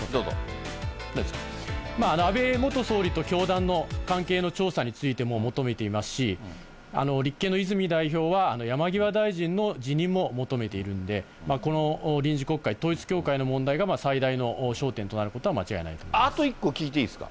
安倍元総理と教団の関係の調査についても求めていますし、立憲の泉代表は、山際大臣の辞任も求めているんで、この臨時国会、統一教会の問題が最大の焦点となることは間違いないと思います。